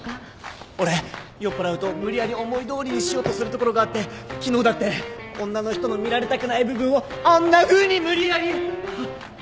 俺酔っぱらうと無理やり思いどおりにしようとするところがあって昨日だって女の人の見られたくない部分をあんなふうに無理やり！